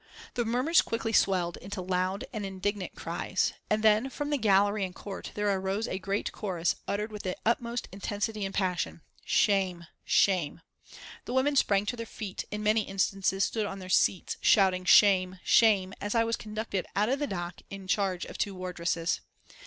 The murmurs quickly swelled into loud and indignant cries, and then from gallery and court there arose a great chorus uttered with the utmost intensity and passion. "Shame!" "Shame!" The women sprang to their feet, in many instances stood on their seats, shouting "Shame!" "Shame!" as I was conducted out of the dock in charge of two wardresses.